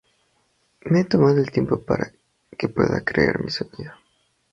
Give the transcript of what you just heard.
Me he tomado el tiempo para que pueda crear mi sonido.